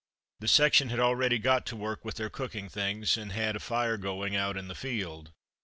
The section had already got to work with their cooking things, and had a fire going out in the field.